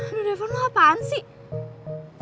aduh devon lo apaan sih